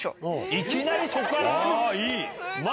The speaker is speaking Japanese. いきなりそこから⁉いい。